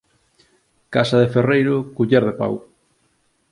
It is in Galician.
Casa de ferreiro, culler de pau.